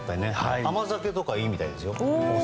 甘酒とかいいらしいですよ。